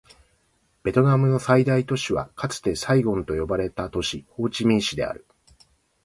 ベトナムの最大都市はかつてサイゴンと呼ばれた都市、ホーチミン市である